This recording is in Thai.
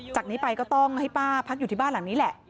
จากนี้ไปก็ต้องให้ป้าพักอยู่ที่บ้านหลังนี้แหละ